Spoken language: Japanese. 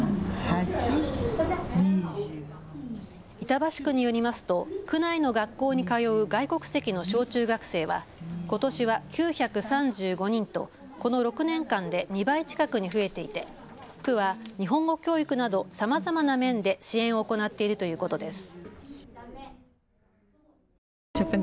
板橋区によりますと区内の学校に通う外国籍の小中学生はことしは９３５人とこの６年間で２倍近くに増えていて区は日本語教育などさまざまな面で支援を行っているということです。